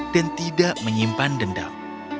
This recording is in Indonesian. dan tidak menyimpan dendam